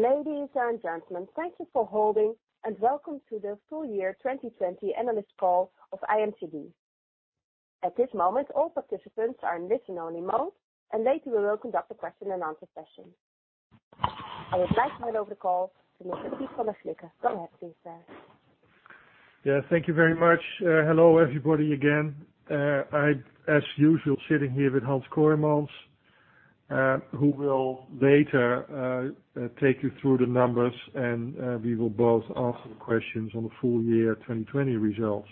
Ladies and gentlemen thank you for holding and welcome to the full year 2020 earnings call of IMCD. At this moment all participants are in listen only mode and later we will welcome back for question and answer session. I would like to hand over the call to Mr. Piet van der Slikke. Go ahead, please, Piet. Yeah, thank you very much. Hello, everybody, again. I, as usual, sitting here with Hans Kooijmans, who will later take you through the numbers. We will both answer the questions on the full year 2020 results.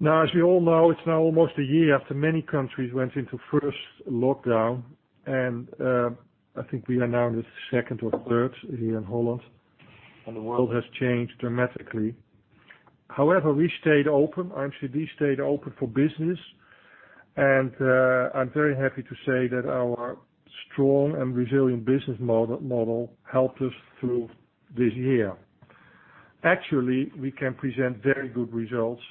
As we all know, it's now almost a year after many countries went into first lockdown. I think we are now in the second or third here in Holland. The world has changed dramatically. However, we stayed open. IMCD stayed open for business. I'm very happy to say that our strong and resilient business model helped us through this year. Actually, we can present very good results,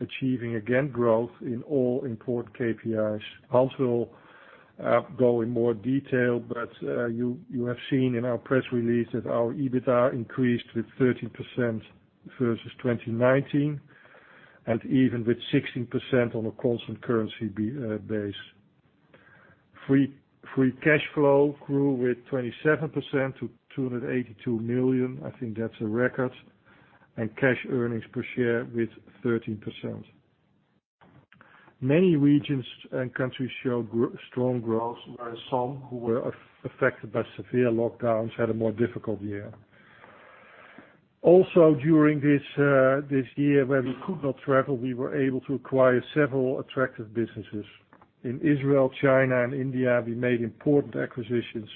achieving again growth in all important KPIs. Hans will go in more detail. You have seen in our press release that our EBITDA increased with 13% versus 2019, even with 16% on a constant currency base. Free cash flow grew with 27% to 282 million. I think that's a record. Cash earnings per share with 13%. Many regions and countries show strong growth, while some who were affected by severe lockdowns had a more difficult year. During this year where we could not travel, we were able to acquire several attractive businesses. In Israel, China and India, we made important acquisitions,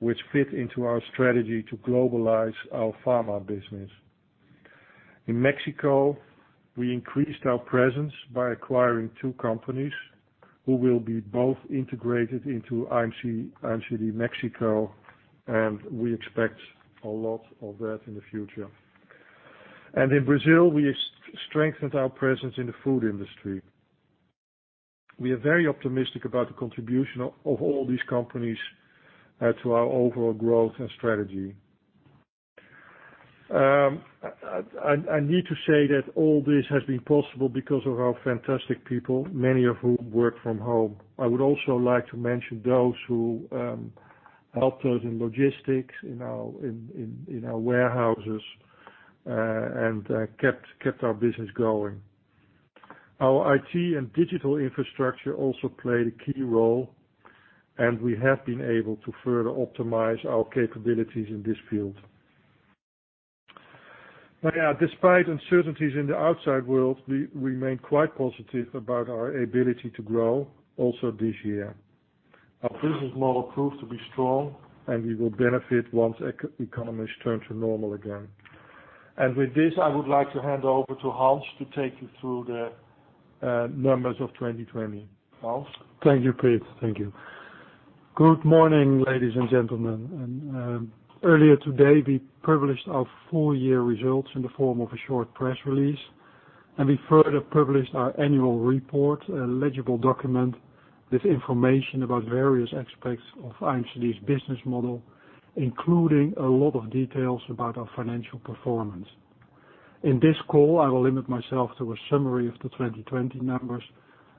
which fit into our strategy to globalize our pharma business. In Mexico, we increased our presence by acquiring two companies who will be both integrated into IMCD Mexico, and we expect a lot of that in the future. In Brazil, we strengthened our presence in the food industry. We are very optimistic about the contribution of all these companies to our overall growth and strategy. I need to say that all this has been possible because of our fantastic people, many of whom work from home. I would also like to mention those who helped us in logistics, in our warehouses, and kept our business going. Our IT and digital infrastructure also played a key role, and we have been able to further optimize our capabilities in this field. Despite uncertainties in the outside world, we remain quite positive about our ability to grow also this year. Our business model proved to be strong, and we will benefit once economies turn to normal again. With this, I would like to hand over to Hans to take you through the numbers of 2020. Hans? Thank you, Piet. Thank you. Good morning, ladies and gentlemen. Earlier today, we published our full year results in the form of a short press release, and we further published our annual report, a legible document with information about various aspects of IMCD's business model, including a lot of details about our financial performance. In this call, I will limit myself to a summary of the 2020 numbers,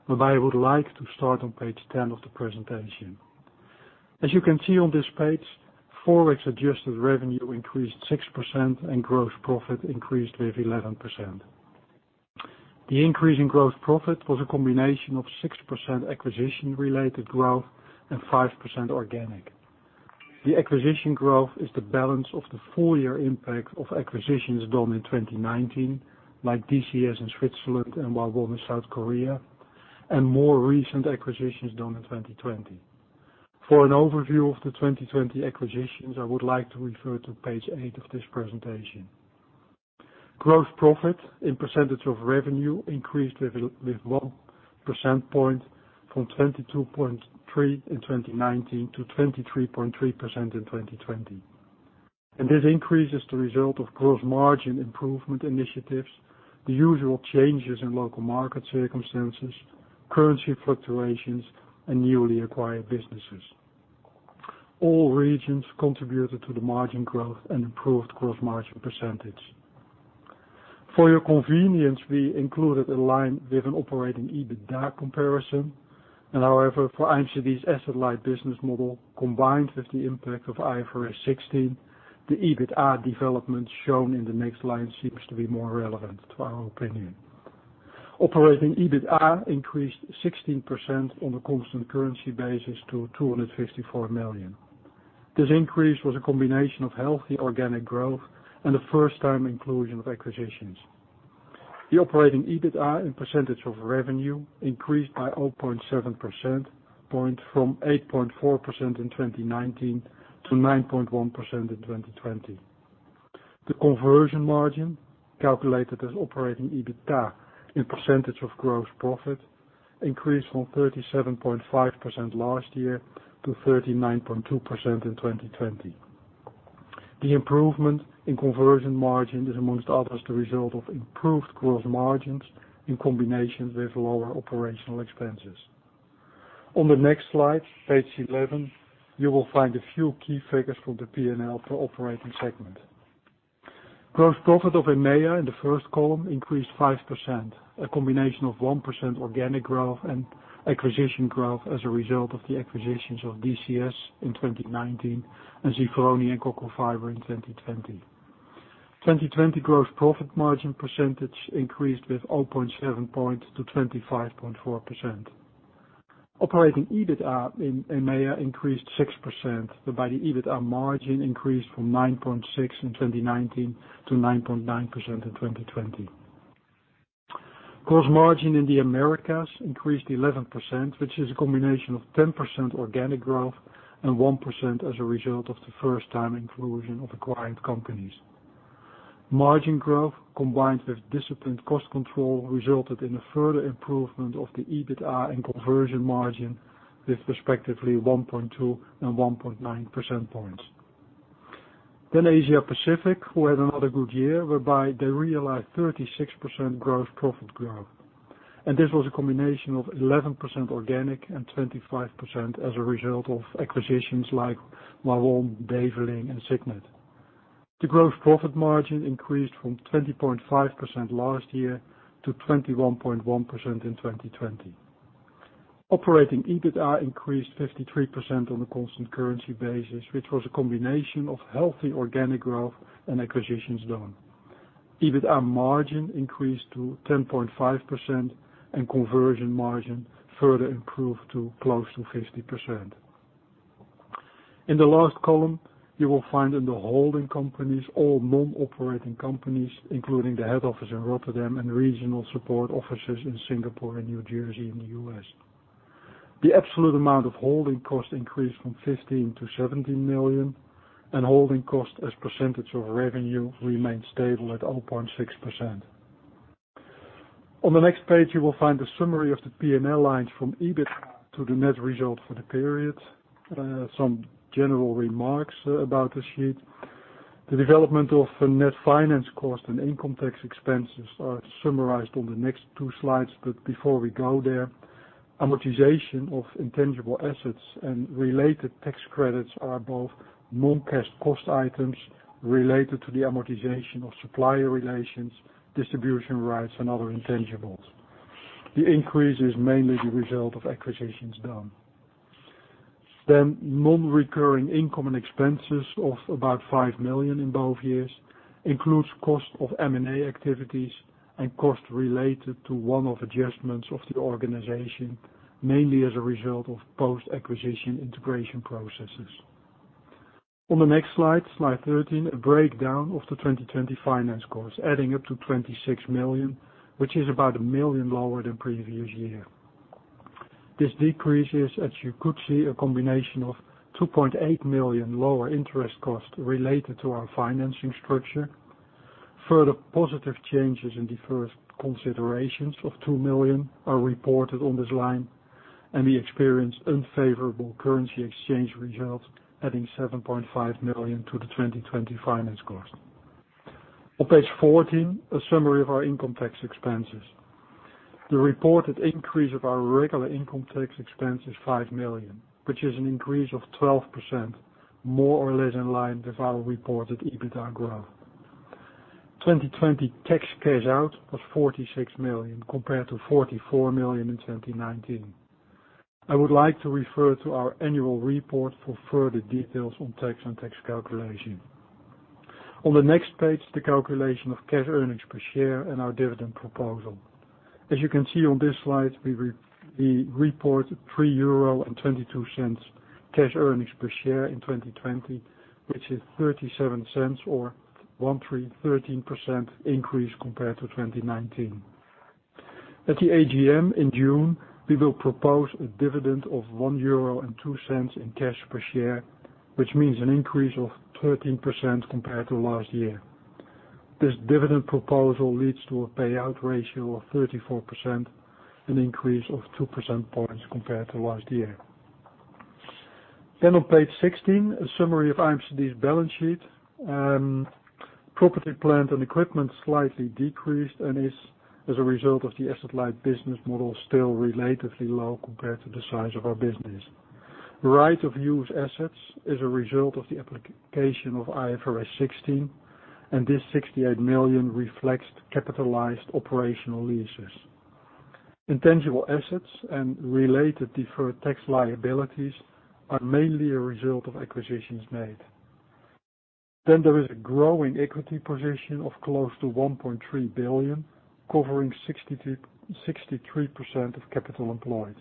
but I would like to start on page 10 of the presentation. As you can see on this page, Forex-adjusted revenue increased 6% and gross profit increased with 11%. The increase in gross profit was a combination of 6% acquisition-related growth and 5% organic. The acquisition growth is the balance of the full year impact of acquisitions done in 2019, like DCS in Switzerland and Whawon in South Korea, and more recent acquisitions done in 2020. For an overview of the 2020 acquisitions, I would like to refer to page eight of this presentation. Gross profit in percentage of revenue increased with ono percentage point from 22.3% in 2019 to 23.3% in 2020. This increase is the result of gross margin improvement initiatives, the usual changes in local market circumstances, currency fluctuations, and newly acquired businesses. All regions contributed to the margin growth and improved gross margin percentage. For your convenience, we included a line with an operating EBITDA comparison. However, for IMCD's asset-light business model, combined with the impact of IFRS 16, the EBITDA development shown in the next line seems to be more relevant to our opinion. Operating EBITDA increased 16% on a constant currency basis to 254 million. This increase was a combination of healthy organic growth and a first-time inclusion of acquisitions. The operating EBITDA in percentage of revenue increased by 0.7 percentage point from 8.4% in 2019 to 9.1% in 2020. The conversion margin, calculated as Operating EBITDA in percentage of gross profit, increased from 37.5% last year to 39.2% in 2020. The improvement in conversion margin is amongst others, the result of improved gross margins in combination with lower operational expenses. On the next slide, page 11, you will find a few key figures from the P&L for operating segment. Gross profit of EMEA in the first column increased 5%, a combination of 1% organic growth and acquisition growth as a result of the acquisitions of DCS in 2019 and Zifroni and Kokko-Fiber in 2020. 2020 gross profit margin percentage increased with 0.7 percentage points to 25.4%. Operating EBITDA in EMEA increased 6%, whereby the EBITDA margin increased from 9.6% in 2019 to 9.9% in 2020. Gross margin in the Americas increased 11%, which is a combination of 10% organic growth and 1% as a result of the first time inclusion of acquired companies. Margin growth, combined with disciplined cost control, resulted in a further improvement of the EBITDA and conversion margin with respectively 1.2 and 1.9 percentage points. Asia Pacific, who had another good year, whereby they realized 36% gross profit growth. This was a combination of 11% organic and 25% as a result of acquisitions like Whawon, Develing, and Signet. The gross profit margin increased from 20.5% last year to 21.1% in 2020. Operating EBITDA increased 53% on a constant currency basis, which was a combination of healthy organic growth and acquisitions done. EBITDA margin increased to 10.5% and conversion margin further improved to close to 50%. In the last column, you will find in the holding companies, all non-operating companies, including the head office in Rotterdam and regional support offices in Singapore and New Jersey in the U.S. The absolute amount of holding costs increased from 15 million-17 million, and holding cost as a percentage of revenue remained stable at 0.6%. On the next page, you will find a summary of the P&L lines from EBITDA to the net result for the period. Some general remarks about this sheet. The development of net finance cost and income tax expenses are summarized on the next two slides. Before we go there, amortization of intangible assets and related tax credits are both non-cash cost items related to the amortization of supplier relations, distribution rights, and other intangibles. The increase is mainly the result of acquisitions done. Non-recurring income and expenses of about 5 million in both years includes cost of M&A activities and cost related to one-off adjustments of the organization, mainly as a result of post-acquisition integration processes. On the next slide 13, a breakdown of the 2020 finance cost, adding up to 26 million, which is about 1 million lower than previous year. This decrease is, as you could see, a combination of 2.8 million lower interest costs related to our financing structure. Further positive changes in deferred considerations of 2 million are reported on this line, and we experienced unfavorable currency exchange results, adding 7.5 million to the 2020 finance cost. On page 14, a summary of our income tax expenses. The reported increase of our regular income tax expense is 5 million, which is an increase of 12%, more or less in line with our reported EBITDA growth. 2020 tax cash out was 46 million compared to 44 million in 2019. I would like to refer to our annual report for further details on tax and tax calculation. On the next page, the calculation of Cash Earnings Per Share and our dividend proposal. As you can see on this slide, we report 3.22 euro Cash Earnings Per Share in 2020, which is 0.37 or a 13% increase compared to 2019. At the AGM in June, we will propose a dividend of 1.02 euro in cash per share, which means an increase of 13% compared to last year. This dividend proposal leads to a payout ratio of 34%, an increase of two percentage points compared to last year. On page 16, a summary of IMCD's balance sheet. Property, plant, and equipment slightly decreased and is, as a result of the asset-light business model, still relatively low compared to the size of our business. Right-of-use assets is a result of the application of IFRS 16, and this 68 million reflects capitalized operational leases. Intangible assets and related deferred tax liabilities are mainly a result of acquisitions made. There is a growing equity position of close to 1.3 billion, covering 63% of capital employed.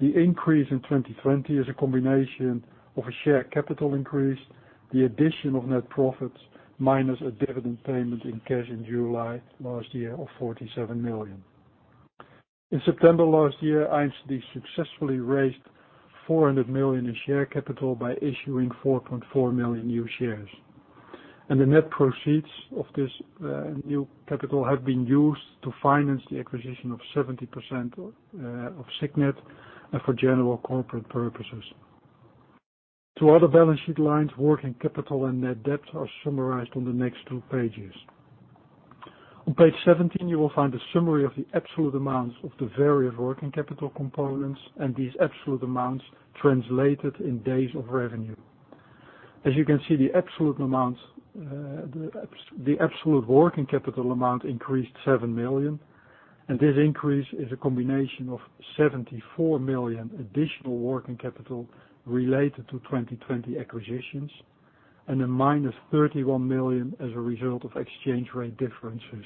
The increase in 2020 is a combination of a share capital increase, the addition of net profits, minus a dividend payment in cash in July last year of 47 million. In September last year, IMCD successfully raised 400 million in share capital by issuing 4.4 million new shares. The net proceeds of this new capital have been used to finance the acquisition of 70% of Signet and for general corporate purposes. Two other balance sheet lines, working capital and net debt, are summarized on the next two pages. On page 17, you will find a summary of the absolute amounts of the various working capital components and these absolute amounts translated in days of revenue. As you can see, the absolute working capital amount increased 7 million. This increase is a combination of 74 million additional working capital related to 2020 acquisitions, and a minus 31 million as a result of exchange rate differences.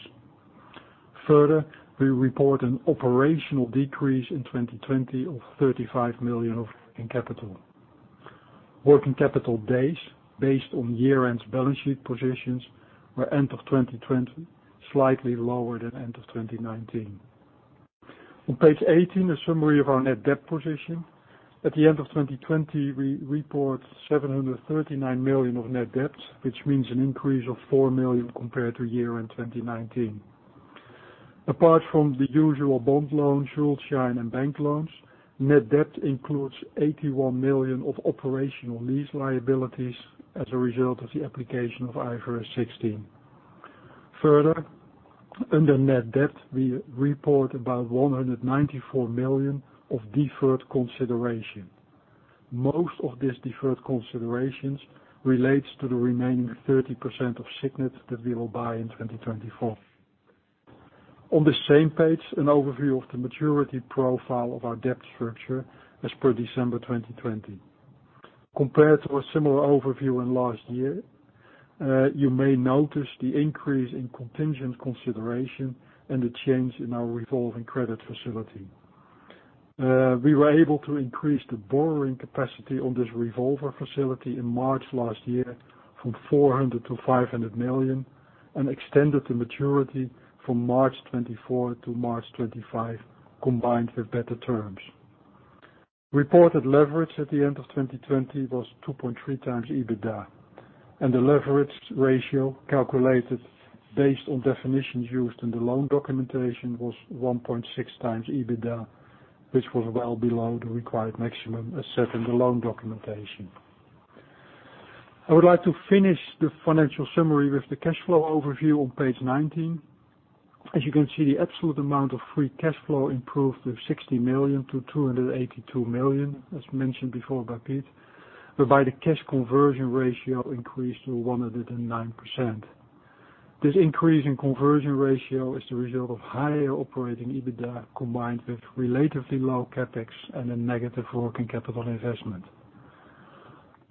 Further, we report an operational decrease in 2020 of 35 million of working capital. Working capital days, based on year-end balance sheet positions, were end of 2020, slightly lower than end of 2019. On page 18, a summary of our net debt position. At the end of 2020, we report 739 million of net debt, which means an increase of 4 million compared to year-end 2019. Apart from the usual bond loans, Schuldschein, and bank loans, net debt includes 81 million of operational lease liabilities as a result of the application of IFRS 16. Further, under net debt, we report about 194 million of deferred consideration. Most of these deferred considerations relates to the remaining 30% of Signet that we will buy in 2024. On the same page, an overview of the maturity profile of our debt structure as per December 2020. Compared to a similar overview in last year, you may notice the increase in contingent consideration and the change in our revolving credit facility. We were able to increase the borrowing capacity on this revolver facility in March last year from 400 million to 500 million and extended the maturity from March 2024 to March 2025, combined with better terms. Reported leverage at the end of 2020 was 2.3x EBITDA. The leverage ratio calculated based on definitions used in the loan documentation was 1.6x EBITDA, which was well below the required maximum as set in the loan documentation. I would like to finish the financial summary with the cash flow overview on page 19. As you can see, the absolute amount of free cash flow improved with 60 million to 282 million, as mentioned before by Piet, whereby the cash conversion ratio increased to 109%. This increase in conversion ratio is the result of higher operating EBITDA combined with relatively low CapEx and a negative working capital investment.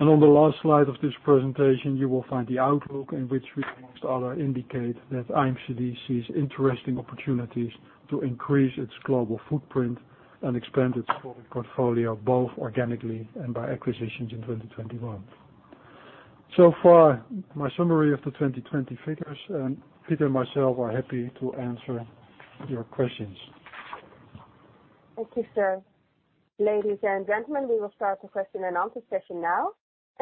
On the last slide of this presentation, you will find the outlook in which we, amongst others, indicate that IMCD sees interesting opportunities to increase its global footprint and expand its product portfolio, both organically and by acquisitions in 2021. So far, my summary of the 2020 figures, and Piet and myself are happy to answer your questions. Thank you, sir. Ladies and gentlemen, we will start the question and answer session now.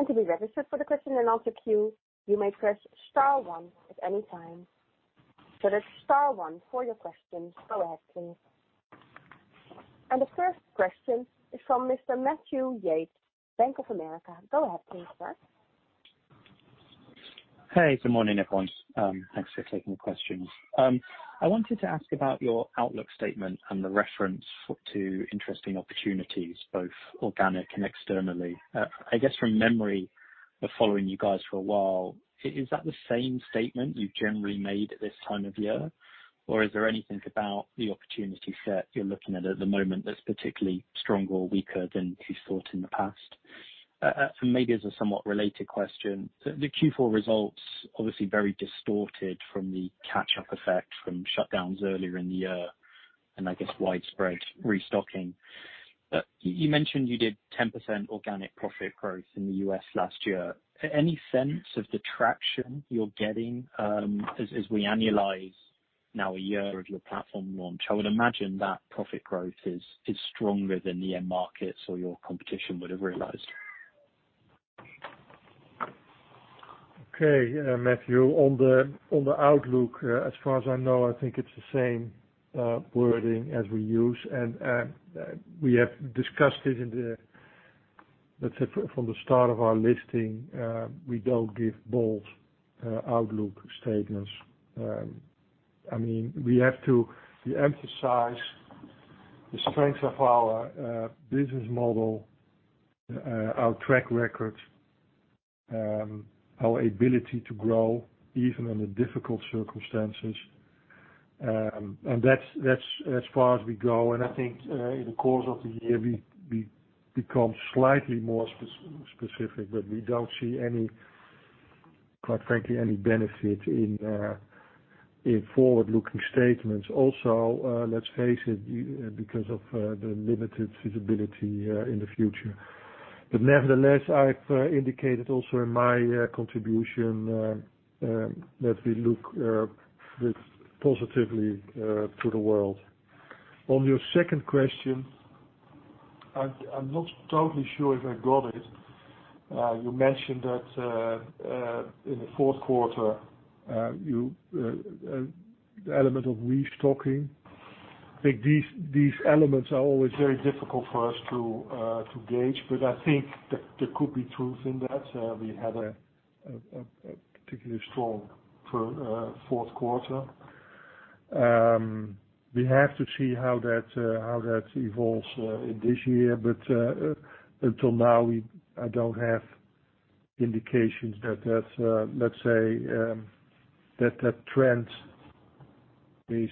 To be registered for the question and answer queue, you may press star one at any time. That's star one for your questions. Go ahead, please. The first question is from Mr. Matthew Yates, Bank of America. Go ahead, please, sir. Hey, good morning, everyone. Thanks for taking the questions. I wanted to ask about your outlook statement and the reference to interesting opportunities, both organic and externally. I guess from memory of following you guys for a while, is that the same statement you've generally made at this time of year? Is there anything about the opportunity set you're looking at at the moment that's particularly stronger or weaker than you thought in the past? Maybe as a somewhat related question, the Q4 results, obviously very distorted from the catch-up effect from shutdowns earlier in the year and, I guess, widespread restocking. You mentioned you did 10% organic profit growth in the U.S. last year. Any sense of the traction you're getting as we annualize now a year of your platform launch? I would imagine that profit growth is stronger than the end markets or your competition would have realized. Okay. Matthew, on the outlook, as far as I know, I think it's the same wording as we use. We have discussed it, let's say from the start of our listing, we don't give bold outlook statements. We have to emphasize the strength of our business model, our track record, our ability to grow even under difficult circumstances. That's as far as we go. I think, in the course of the year, we become slightly more specific, but we don't see, quite frankly, any benefit in forward-looking statements. Also, let's face it, because of the limited feasibility in the future. Nevertheless, I've indicated also in my contribution that we look positively to the world. On your second question, I'm not totally sure if I got it you mentioned that in the fourth quarter, the element of restocking. I think these elements are always very difficult for us to gauge, but I think that there could be truth in that. We had a particularly strong fourth quarter. We have to see how that evolves in this year. Until now, I don't have indications that, let's say, that trend is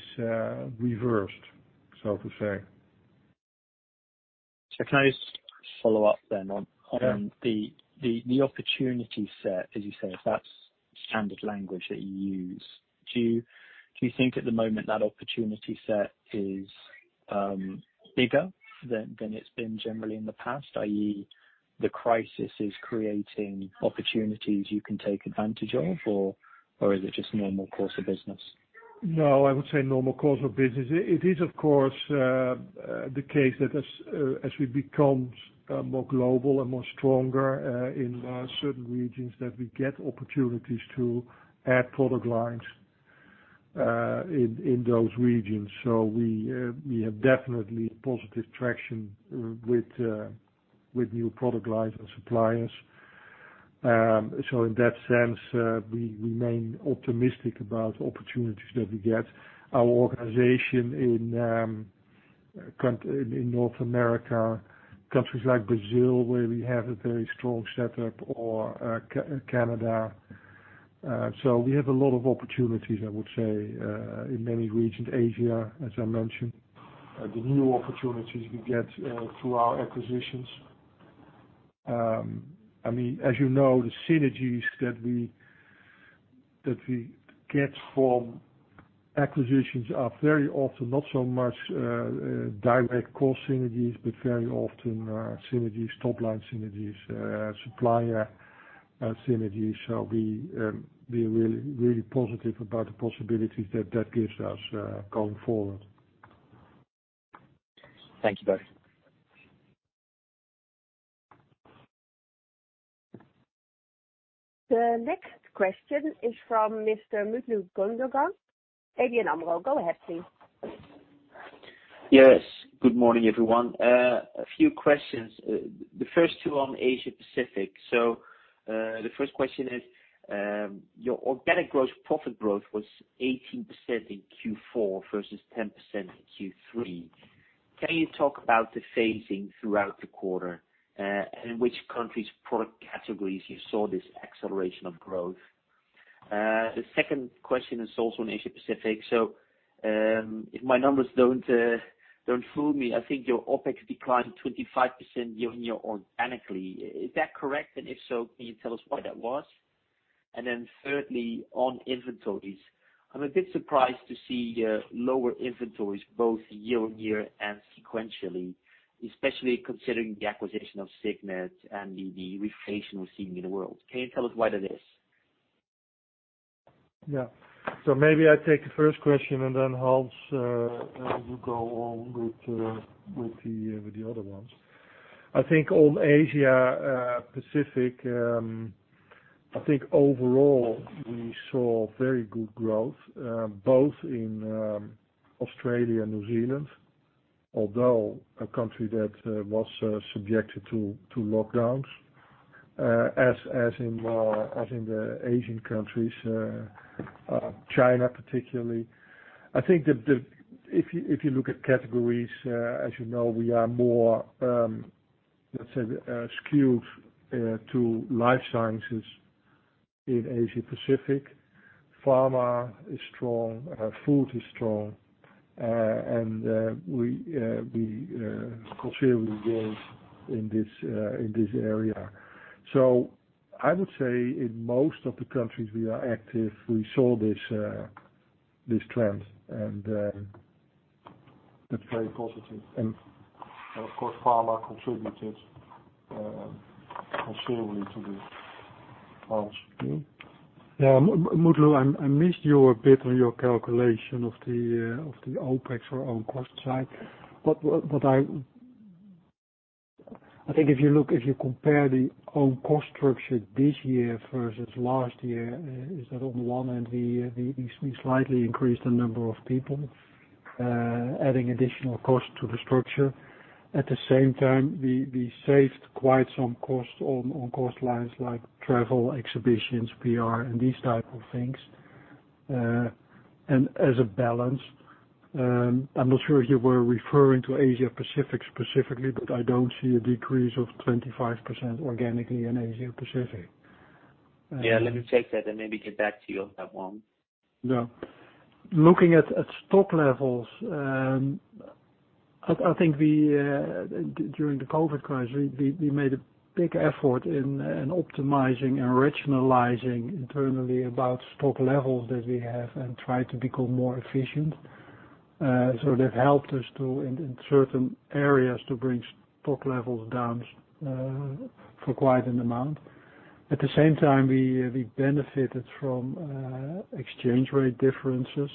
reversed, so to say. Can I just follow up then? Yeah The opportunity set, as you say, if that's standard language that you use, do you think at the moment that opportunity set is bigger than it's been generally in the past, i.e., the crisis is creating opportunities you can take advantage of, or is it just normal course of business? No, I would say normal course of business. It is, of course, the case that as we become more global and more stronger in certain regions, that we get opportunities to add product lines in those regions. We have definitely positive traction with new product lines and suppliers. In that sense, we remain optimistic about opportunities that we get. We have a lot of opportunities, I would say, in many regions, our organization in North America, countries like Brazil, where we have a very strong setup, or Canada, Asia, as I mentioned, the new opportunities we get through our acquisitions. As you know, the synergies that we get from acquisitions are very often not so much direct cost synergies, but very often synergies, top-line synergies, supplier synergies. We're really positive about the possibilities that that gives us going forward. Thank you both. The next question is from Mr. Mutlu Gundogan, ABN AMRO. Go ahead, please. Yes. Good morning, everyone. A few questions. The first two on Asia Pacific. The first question is, your organic gross profit growth was 18% in Q4 versus 10% in Q3. Can you talk about the phasing throughout the quarter, and in which countries product categories you saw this acceleration of growth? The second question is also on Asia Pacific. If my numbers don't fool me, I think your OpEx declined 25% year-on-year organically. Is that correct? If so, can you tell us why that was? Thirdly, on inventories. I'm a bit surprised to see lower inventories both year-on-year and sequentially, especially considering the acquisition of Signet and the reflation we're seeing in the world. Can you tell us why that is? Maybe I take the first question and then Hans will go on with the other ones. I think on Asia Pacific, I think overall, we saw very good growth, both in Australia and New Zealand, although a country that was subjected to lockdowns, as in the Asian countries, China particularly. I think if you look at categories, as you know, we are more, let's say, skewed to life sciences in Asia Pacific. Pharma is strong, food is strong, we considerably gained in this area. I would say in most of the countries we are active, we saw this trend, that's very positive. Of course, pharma contributed considerably to this. Hans? Yeah. Mutlu, I missed you a bit on your calculation of the OpEx or own cost side. I think if you compare the own cost structure this year versus last year, is that on one end, we slightly increased the number of people, adding additional cost to the structure. At the same time, we saved quite some cost on cost lines like travel, exhibitions, PR, and these type of things. As a balance, I'm not sure if you were referring to Asia Pacific specifically, but I don't see a decrease of 25% organically in Asia Pacific. Yeah, let me check that and maybe get back to you on that one. Yeah. Looking at stock levels, I think during the COVID crisis, we made a big effort in optimizing and rationalizing internally about stock levels that we have and try to become more efficient. That helped us in certain areas to bring stock levels down for quite an amount. At the same time, we benefited from exchange rate differences,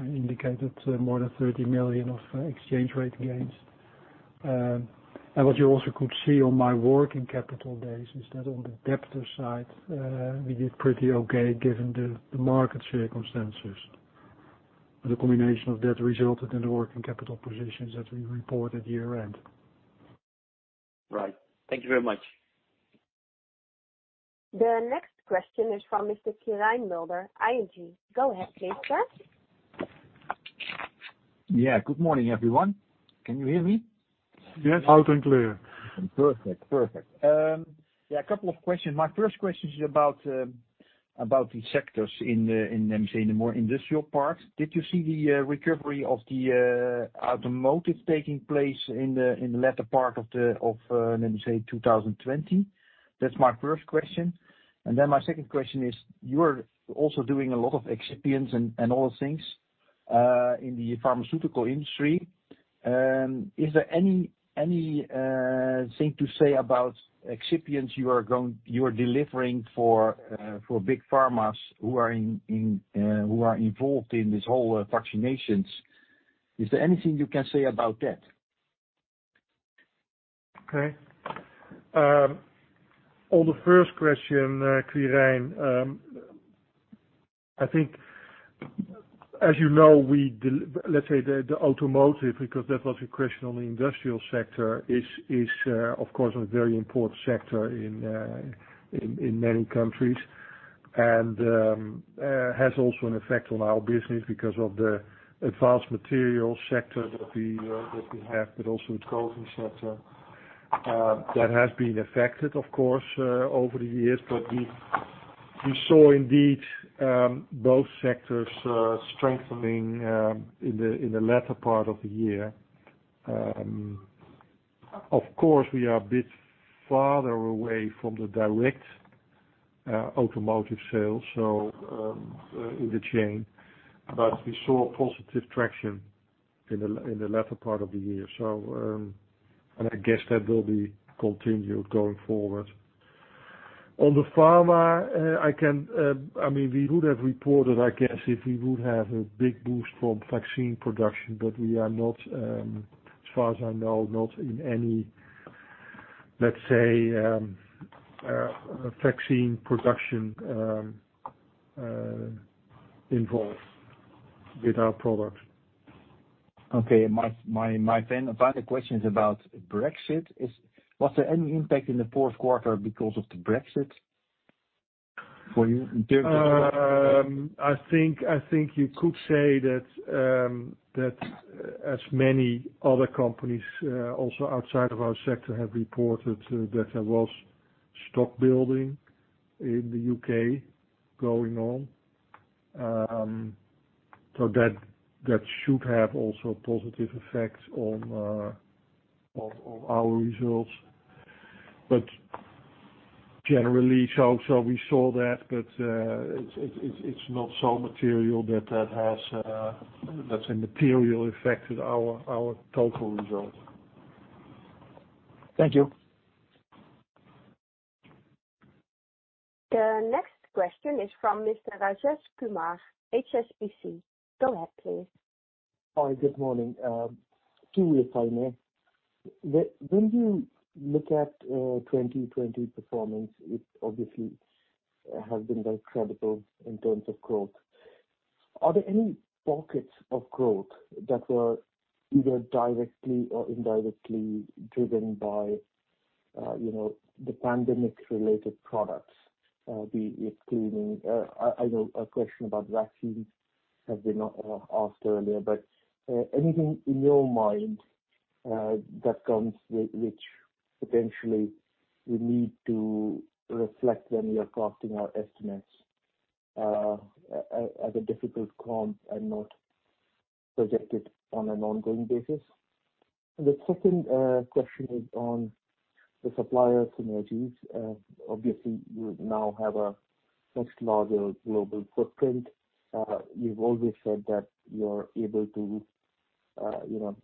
indicated more than 30 million of exchange rate gains. What you also could see on my working capital days is that on the debtor side, we did pretty okay given the market circumstances. The combination of that resulted in the working capital positions that we reported year-end. Right. Thank you very much. The next question is from Mr. Quirijn Mulder, ING. Go ahead, please, sir. Yeah. Good morning, everyone. Can you hear me? Yes, loud and clear. Perfect. A couple of questions. My first question is about the sectors in, let me say, the more industrial parts. Did you see the recovery of the automotive taking place in the latter part of, let me say, 2020? That's my first question. My second question is, you're also doing a lot of excipients and all those things in the pharmaceutical industry. Is there anything to say about excipients you are delivering for big pharmas who are involved in this whole vaccinations? Is there anything you can say about that? Okay. On the first question, Quirijn, I think, as you know, let's say the automotive, because that was a question on the industrial sector, is of course, a very important sector in many countries, and has also an effect on our business because of the advanced material sector that we have, but also the coating sector, that has been affected, of course, over the years. We saw indeed, both sectors strengthening in the latter part of the year. Of course, we are a bit farther away from the direct automotive sales, so in the chain. We saw positive traction in the latter part of the year. I guess that will be continued going forward. On the pharma, we would have reported, I guess, if we would have a big boost from vaccine production. We are not, as far as I know, not in any, let's say, vaccine production involved with our product. Okay. My final question is about Brexit. Was there any impact in the fourth quarter because of the Brexit for you in terms of. I think you could say that as many other companies also outside of our sector have reported that there was stock building in the U.K. going on. That should have also positive effects on our results. Generally, so we saw that, but it's not so material that that has, let's say, materially affected our total results. Thank you. The next question is from Mr. Rajesh Kumar, HSBC. Go ahead, please. Hi. Good morning. Two if I may. When you look at 2020 performance, it obviously has been very credible in terms of growth. Are there any pockets of growth that were either directly or indirectly driven by the pandemic-related products, be it cleaning, I know a question about vaccines has been asked earlier, but anything in your mind that comes, which potentially we need to reflect when we are crafting our estimates as a difficult comp and not projected on an ongoing basis? The second question is on the supplier synergies. Obviously, you now have a much larger global footprint. You've always said that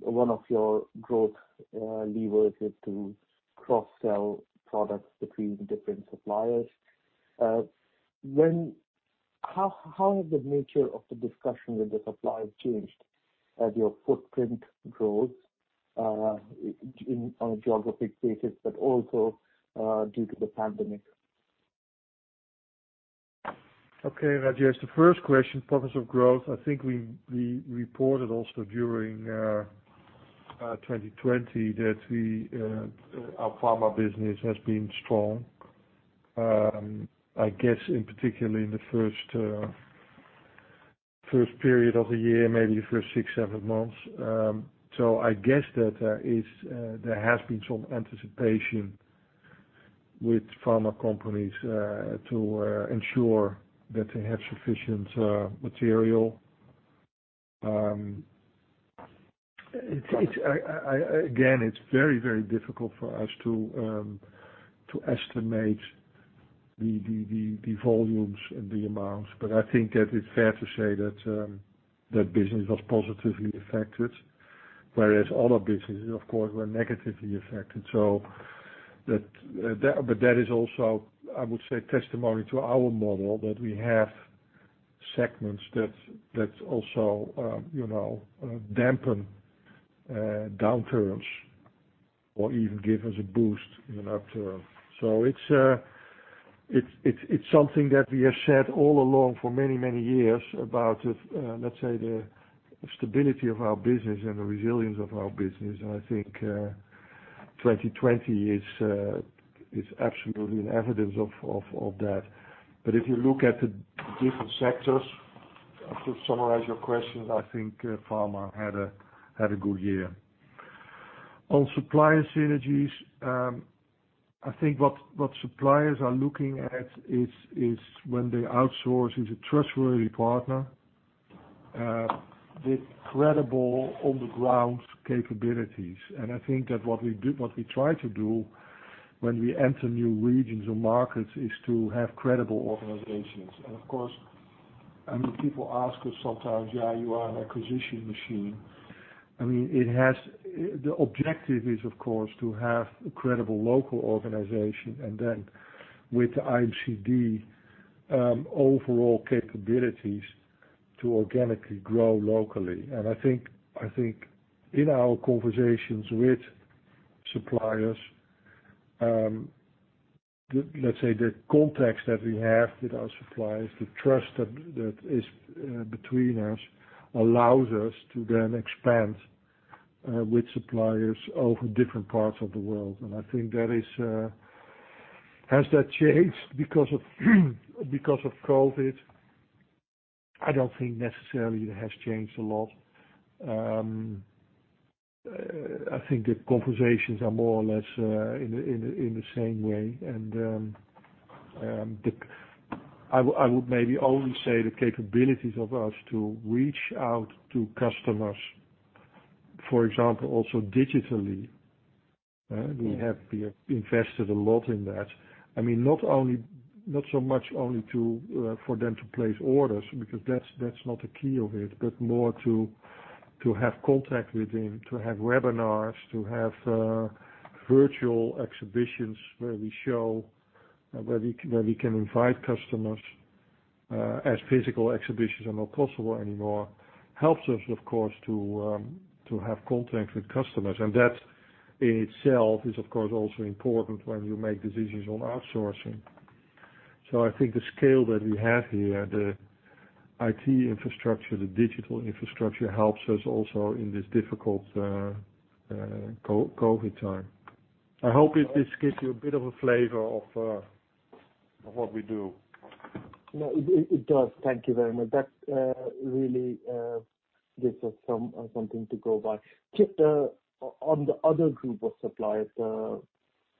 one of your growth levers is to cross-sell products between different suppliers. How has the nature of the discussion with the suppliers changed as your footprint grows on a geographic basis, but also due to the pandemic? Okay, Rajesh. The first question, progress of growth. I think we reported also during 2020 that our pharma business has been strong. I guess in particularly in the first period of the year, maybe the first six, seven months. I guess that there has been some anticipation with pharma companies to ensure that they have sufficient material. Again, it's very difficult for us to estimate the volumes and the amounts, but I think that it's fair to say that that business was positively affected, whereas other businesses, of course, were negatively affected. That is also, I would say, testimony to our model, that we have segments that also dampen downturns or even give us a boost in an upturn. It's something that we have said all along for many, many years about, let's say, the stability of our business and the resilience of our business, and I think 2020 is absolutely an evidence of that. If you look at the different sectors, to summarize your question, I think pharma had a good year. On supplier synergies, I think what suppliers are looking at is, when they outsource, is a trustworthy partner with credible on-the-ground capabilities. I think that what we try to do when we enter new regions or markets is to have credible organizations. Of course, people ask us sometimes, "Yeah, you are an acquisition machine." The objective is, of course, to have a credible local organization and then with IMCD, overall capabilities to organically grow locally. I think in our conversations with suppliers, let's say the context that we have with our suppliers, the trust that is between us allows us to then expand with suppliers over different parts of the world. I think has that changed because of COVID? I don't think necessarily it has changed a lot. I think the conversations are more or less in the same way. I would maybe only say the capabilities of us to reach out to customers, for example, also digitally, we have invested a lot in that. Not so much only for them to place orders, because that's not a key of it, but more to have contact with them, to have webinars, to have virtual exhibitions where we can invite customers, as physical exhibitions are not possible anymore, helps us, of course, to have contact with customers. That in itself is, of course, also important when you make decisions on outsourcing. I think the scale that we have here, the IT infrastructure, the digital infrastructure, helps us also in this difficult COVID time. I hope it just gives you a bit of a flavor of what we do. No, it does. Thank you very much. That really gives us something to go by. On the other group of suppliers,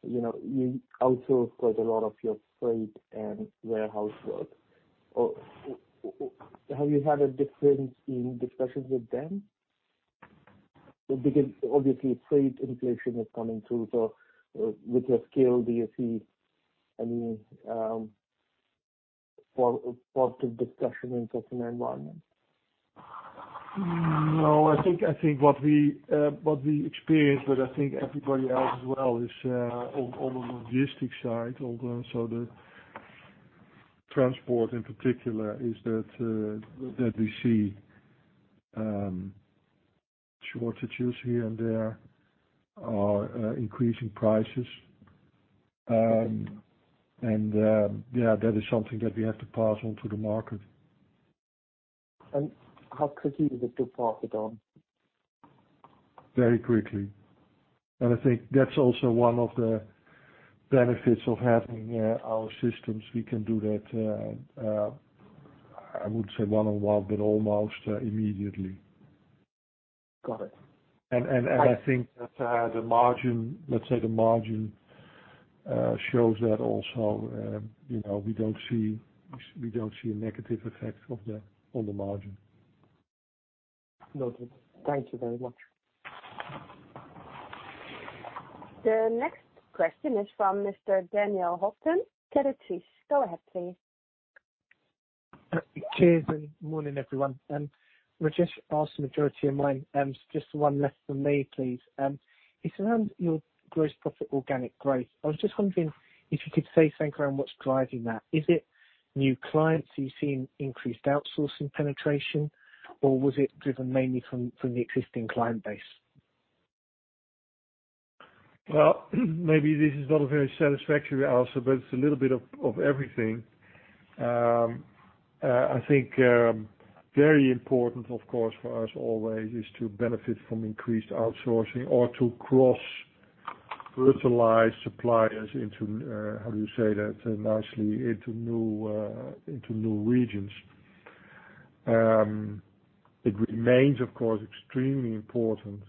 you outsource quite a lot of your freight and warehouse work. Have you had a difference in discussions with them? Obviously freight inflation is coming through, so with your scale, do you see any part of discussion in customer environment? No. I think what we experienced, but I think everybody else as well, is on the logistics side, so the transport in particular, is that we see shortages here and there or increasing prices. Okay. Yeah, that is something that we have to pass on to the market. How quickly would you pass it on? Very quickly. I think that's also one of the benefits of having our systems. We can do that, I wouldn't say one on one, but almost immediately. Got it. I think that the margin shows that also. We don't see a negative effect of that on the margin. Noted. Thank you very much. The next question is from Mr. [Daniel Hopton], Credit Suisse. Go ahead, please. Cheers, morning, everyone. Rajesh asked the majority of mine, just one left from me, please. It's around your gross profit organic growth. I was just wondering if you could say think around what's driving that. Is it new clients, are you seeing increased outsourcing penetration, or was it driven mainly from the existing client base? Well, maybe this is not a very satisfactory answer, but it's a little bit of everything. I think very important, of course, for us always is to benefit from increased outsourcing or to cross-fertilize suppliers into, how do you say that nicely, into new regions. It remains, of course, extremely important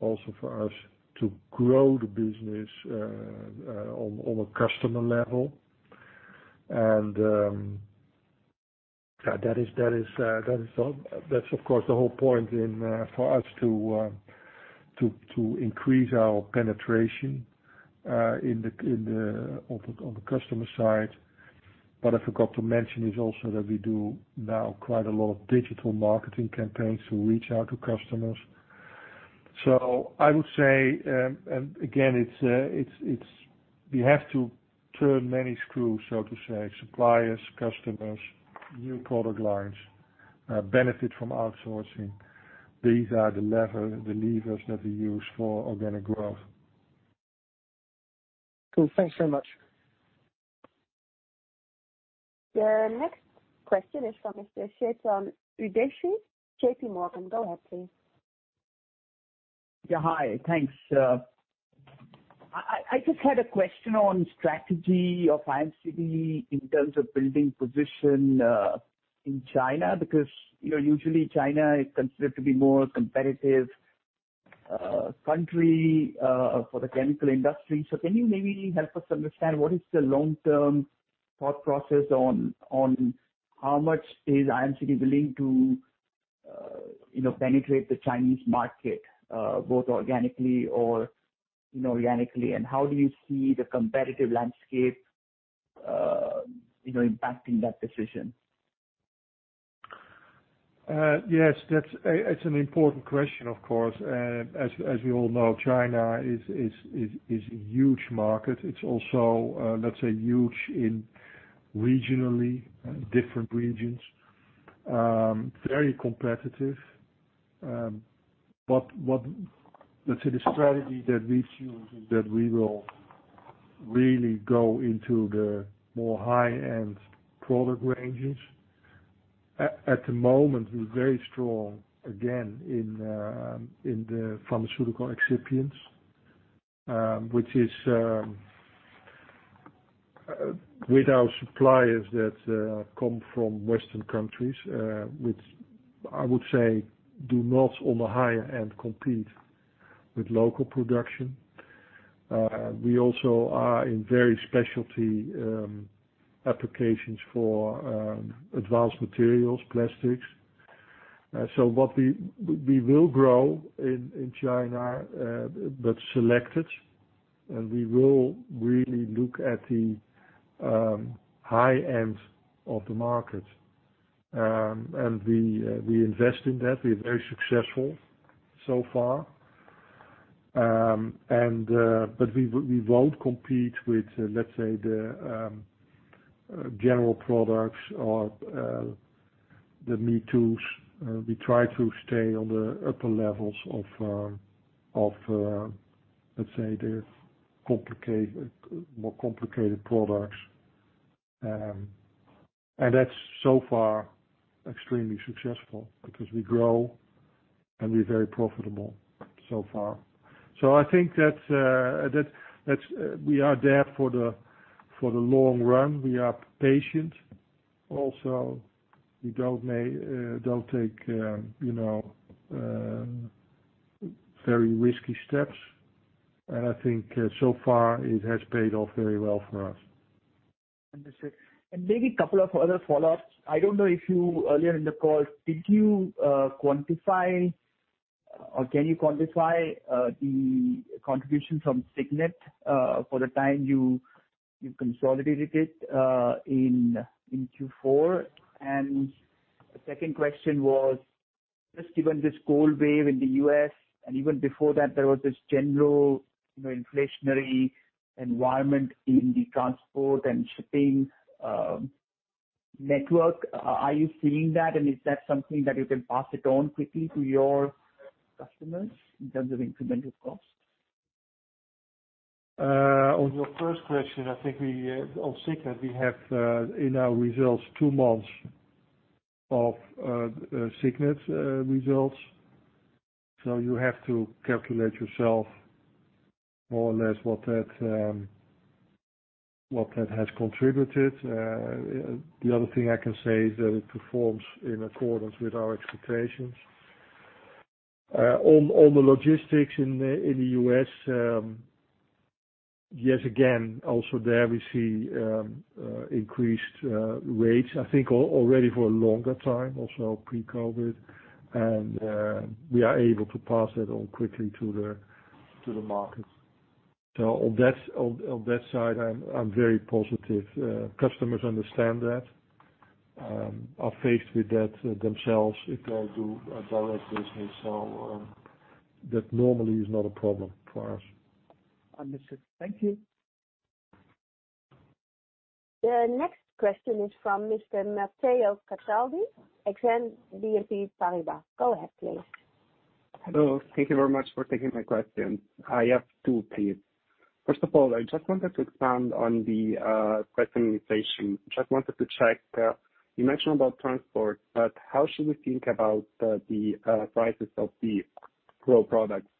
also for us to grow the business on a customer level. That's, of course, the whole point for us to increase our penetration on the customer side. What I forgot to mention is also that we do now quite a lot of digital marketing campaigns to reach out to customers. I would say, and again, we have to turn many screws, so to say, suppliers, customers, new product lines, benefit from outsourcing. These are the levers that we use for organic growth. Cool. Thanks very much. The next question is from Mr. Chetan Udeshi, JPMorgan. Go ahead, please. Hi, thanks. I just had a question on strategy of IMCD in terms of building position in China, because usually China is considered to be more competitive country for the chemical industry. Can you maybe help us understand what is the long-term thought process on how much is IMCD willing to penetrate the Chinese market, both organically and inorganically? How do you see the competitive landscape impacting that decision? Yes, that's an important question, of course. We all know, China is a huge market. It's also, let's say, huge in regionally, different regions. Very competitive. The strategy that we choose is that we will really go into the more high-end product ranges. At the moment, we're very strong, again, in the pharmaceutical excipients, which is with our suppliers that come from Western countries, which I would say do not, on the high-end, compete with local production. We also are in very specialty applications for advanced materials, plastics. We will grow in China, but selected, and we will really look at the high end of the market. We invest in that. We're very successful so far. We won't compete with, let's say, the general products or the me-toos. We try to stay on the upper levels of, let's say, the more complicated products. That's, so far, extremely successful because we grow and we're very profitable so far. I think that we are there for the long run. We are patient also. We don't take very risky steps. I think so far it has paid off very well for us. Understood. Maybe a couple of other follow-ups. I don't know if you, earlier in the call, did you quantify or can you quantify the contribution from Signet for the time you consolidated it in Q4? The second question was, just given this cold wave in the U.S., and even before that, there was this general inflationary environment in the transport and shipping network. Are you feeling that, and is that something that you can pass it on quickly to your customers in terms of incremental cost? On your first question, I think on Signet, we have in our results two months of Signet results. You have to calculate yourself more or less what that has contributed. The other thing I can say is that it performs in accordance with our expectations. On the logistics in the U.S., yes, again, also there we see increased rates, I think already for a longer time, also pre-COVID, and we are able to pass that on quickly to the market. On that side, I'm very positive. Customers understand that, are faced with that themselves if they do a direct business. That normally is not a problem for us. Understood. Thank you. The next question is from Mr. Matteo Cataldi, Exane BNP Paribas. Go ahead, please. Hello. Thank you very much for taking my question. I have two, please. First of all, I just wanted to expand on the price inflation. Just wanted to check, you mentioned about transport, but how should we think about the prices of the raw products?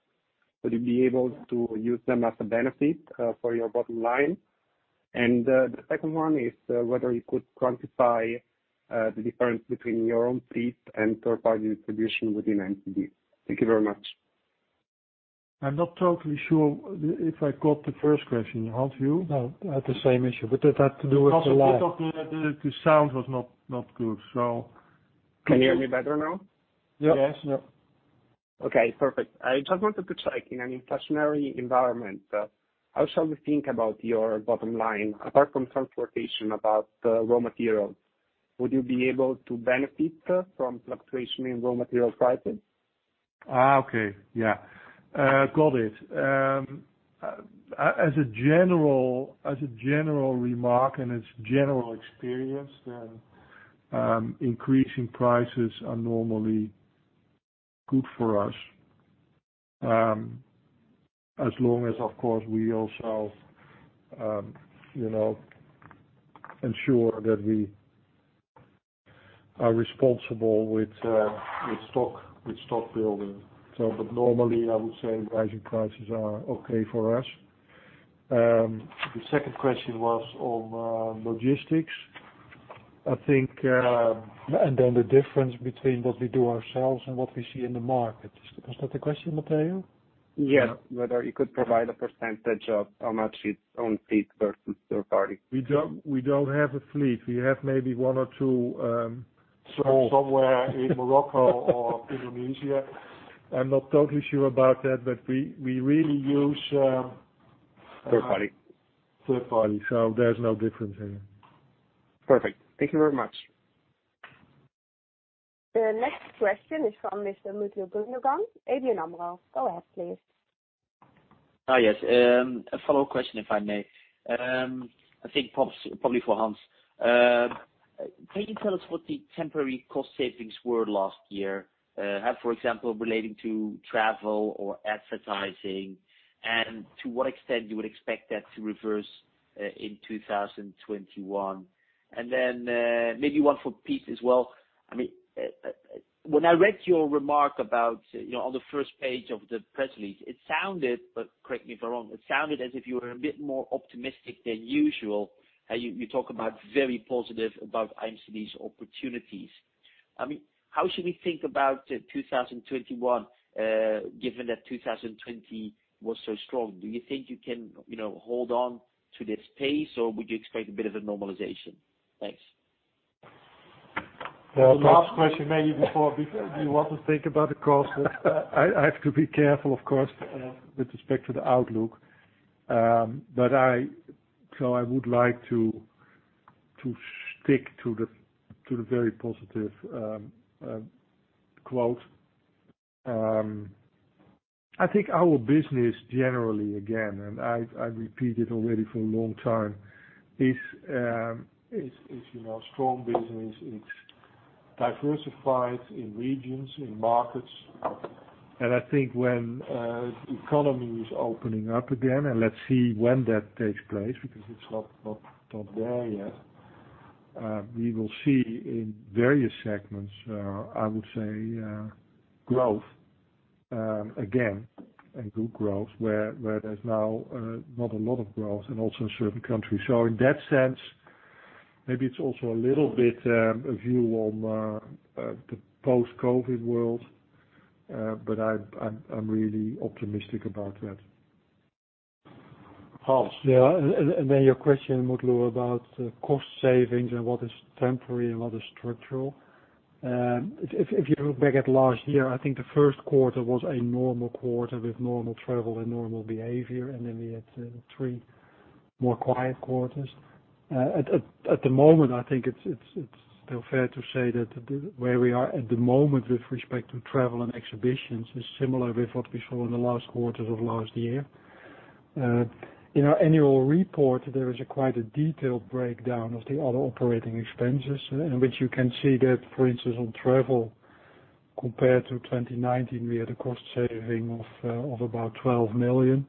Would you be able to use them as a benefit for your bottom line? The second one is whether you could quantify the difference between your own fleet and third-party distribution within IMCD. Thank you very much. I'm not totally sure if I got the first question. Aren't you? No, I had the same issue. That had to do with the line. Also because the sound was not good. Can you hear me better now? Yes. Yep. Okay, perfect. I just wanted to check in an inflationary environment, how shall we think about your bottom line apart from transportation, about raw materials? Would you be able to benefit from fluctuation in raw material prices? Okay. Yeah. Got it. As a general remark and as general experience, increasing prices are normally good for us. As long as, of course, we also ensure that we are responsible with stock building. Normally, I would say rising prices are okay for us. The second question was on logistics. The difference between what we do ourselves and what we see in the market. Is that the question, Matteo? Yes. Whether you could provide a percentage of how much it's on fleet versus third party? We don't have a fleet. We have maybe one or two somewhere in Morocco or Indonesia. I'm not totally sure about that, but we really use. Third party. Third party, so there's no difference there. Perfect. Thank you very much. The next question is from Mr. Mutlu Gundogan, ABN AMRO. Go ahead, please. Yes. A follow-up question, if I may. I think probably for Hans. Can you tell us what the temporary cost savings were last year, for example, relating to travel or advertising, and to what extent you would expect that to reverse in 2021? Then maybe one for Piet as well. When I read your remark on the first page of the press release, it sounded, but correct me if I'm wrong, it sounded as if you were a bit more optimistic than usual. You talk about very positive about IMCD's opportunities. How should we think about 2021 given that 2020 was so strong? Do you think you can hold on to this pace, or would you expect a bit of a normalization? Thanks. The last question, maybe before, do you want to think about the cost? I have to be careful, of course, with respect to the outlook. I would like to stick to the very positive quote. I think our business generally, again, and I repeat it already for a long time, is a strong business. It's diversified in regions, in markets. I think when the economy is opening up again, and let's see when that takes place, because it's not there yet, we will see in various segments, I would say, growth again, and good growth, where there's now not a lot of growth and also in certain countries. In that sense, maybe it's also a little bit a view on the post-COVID world, but I'm really optimistic about that. Hans. Your question, Mutlu, about cost savings and what is temporary and what is structural. If you look back at last year, I think the first quarter was a normal quarter with normal travel and normal behavior, we had three more quiet quarters. At the moment, I think it's still fair to say that where we are at the moment with respect to travel and exhibitions is similar with what we saw in the last quarters of last year. In our annual report, there is quite a detailed breakdown of the other operating expenses, in which you can see that, for instance, on travel compared to 2019, we had a cost saving of about 12 million.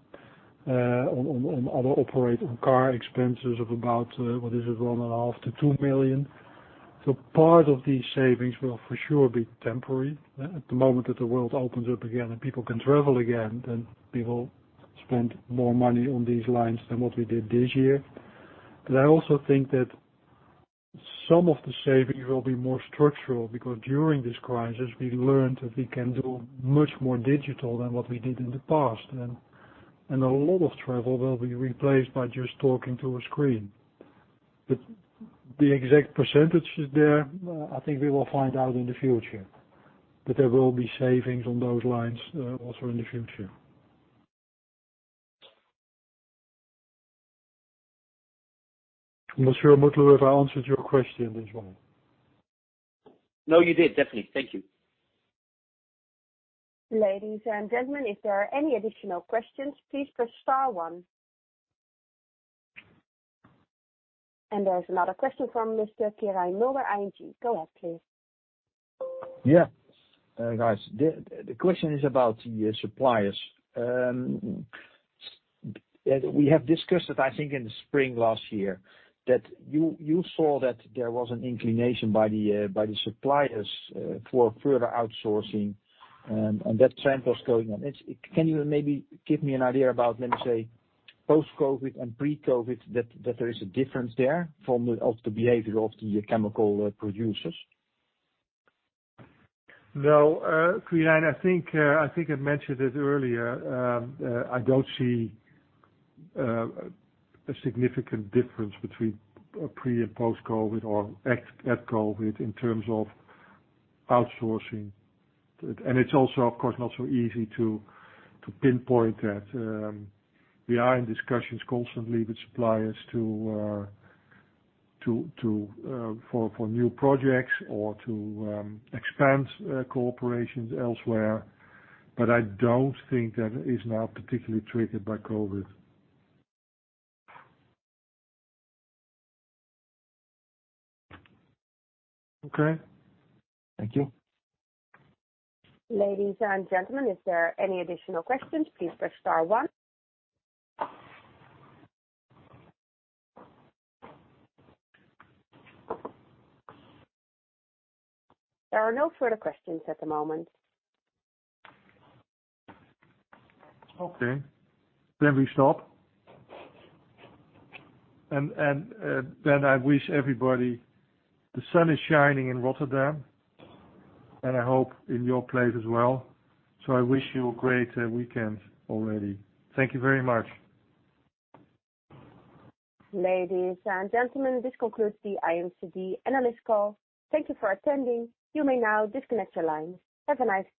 On other operating cost expenses of about, what is it, 1.5 million-2 million. Part of these savings will for sure be temporary. At the moment that the world opens up again and people can travel again, then people spend more money on these lines than what we did this year. I also think that some of the savings will be more structural, because during this crisis, we learned that we can do much more digital than what we did in the past. A lot of travel will be replaced by just talking to a screen. The exact percentages there, I think we will find out in the future. There will be savings on those lines also in the future. I'm not sure, Mutlu, if I answered your question as well. No, you did, definitely. Thank you. Ladies and gentlemen, if there are any additional questions, please press star one. There's another question from Mr. Quirijn Mulder, ING. Go ahead, please. Yeah. Guys, the question is about the suppliers. We have discussed it, I think, in the spring last year, that you saw that there was an inclination by the suppliers for further outsourcing, and that trend was going on. Can you maybe give me an idea about, let me say, post-COVID and pre-COVID, that there is a difference there of the behavior of the chemical producers? No, Quirijn, I think I mentioned it earlier. I don't see a significant difference between pre- and post-COVID or at COVID in terms of outsourcing. It's also, of course, not so easy to pinpoint that. We are in discussions constantly with suppliers for new projects or to expand cooperations elsewhere, I don't think that is now particularly triggered by COVID. Okay. Thank you. Ladies and gentlemen, is there any additional questions, please press star one. There are no further questions at the moment. Okay. We stop. I wish everybody, the sun is shining in Rotterdam, and I hope in your place as well. I wish you a great weekend already. Thank you very much. Ladies and gentlemen, this concludes the IMCD analyst call. Thank you for attending. You may now disconnect your lines. Have a nice day.